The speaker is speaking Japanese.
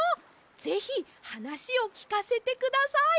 ぜひはなしをきかせてください！